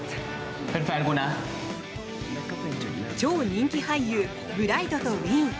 超人気俳優ブライトとウィン。